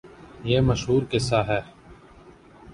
یہ مشہورقصہ ہے۔